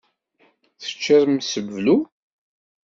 Teččiḍ mseblu.